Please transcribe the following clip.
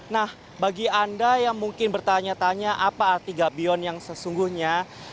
nah bagi anda yang mungkin bertanya tanya apa arti gabion yang sesungguhnya